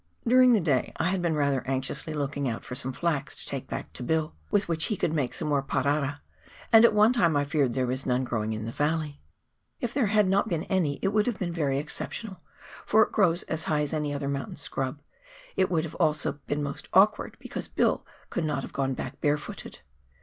During the day I had been rather anxiously looking out for some flax to take back to Bill, with which he could make some more " parara," and at one time I feared there was none growing in the valley. If there had not been any, it would have been very exceptional, for it grows as high as any other mountain scrub ; it would also have been most awkward, because Bill could not have gone back barefooted.